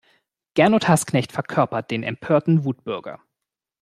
Gernot Hassknecht verkörpert den empörten Wutbürger.